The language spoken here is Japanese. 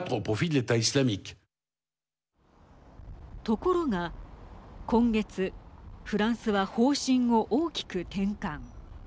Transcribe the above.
ところが今月フランスは方針を大きく転換。